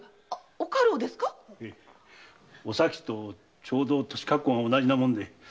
お咲とちょうど年格好が同じなもんで。